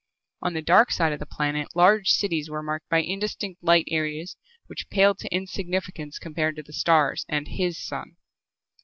On the dark side of the planet large cities were marked by indistinct light areas which paled to insignificance compared to the stars and his sun.